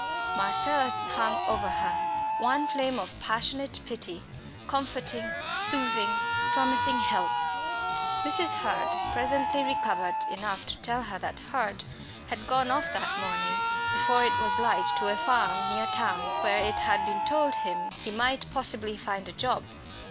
Marcella hung over her, one flame of passionate pity, comforting, soothing, promising help. Mrs. Hurd presently recovered enough to tell her that Hurd had gone off that morning before it was light to a farm near Thame, where it had been told him he might possibly find a job.